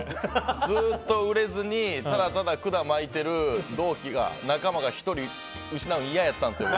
ずっと売れずにただただ管巻いてる同期が仲間を１人、失うのが嫌だったんですよ。